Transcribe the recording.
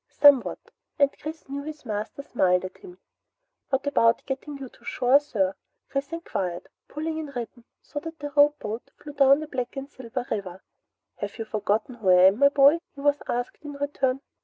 "Somewhat." And Chris knew his master smiled at him. "What about getting you to shore, sir?" Chris enquired, pulling in rhythm so that the rope boat flew down the black and silver river. "Have you forgotten who I am, my boy?" he was asked in return.